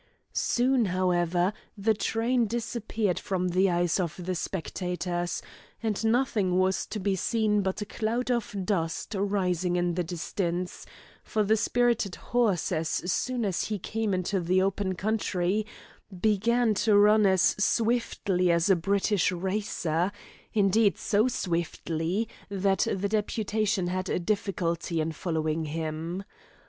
Soon, however, the train disappeared from the eyes of the spectators, and nothing was to be seen but a cloud of dust rising in the distance, for the spirited horse as soon as he came into the open country began to run as swiftly as a British racer, indeed so swiftly, that the deputation had a difficulty in following him.